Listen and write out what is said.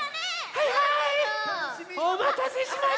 はいはいおまたせしました！